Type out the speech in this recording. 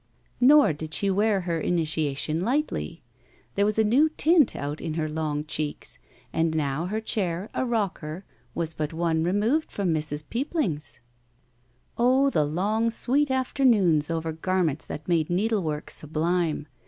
Nor did she wear her initiation lightly. There was a new tint out in her long cheeks, and now her chair, a rocker, was but one removed from Mrs. Peopping's. Oh, tJie long, sweet afternoons over garments that made needlework sublime.